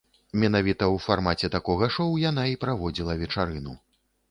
Менавіта ў фармаце такога шоу яна і праводзіла вечарыну.